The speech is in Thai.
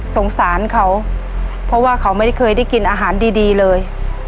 สงสารเขาเพราะว่าเขาไม่ได้เคยได้กินอาหารดีเลย